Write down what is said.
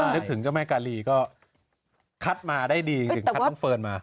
นึกถึงเจ้าแม่กาลีก็คัดมาได้ดีถึงคัดน้องเฟิร์นมา